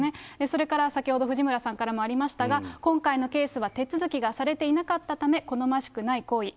それから先ほど藤村さんからもありましたが、今回のケースは、手続きがされていなかったため、好ましくない行為。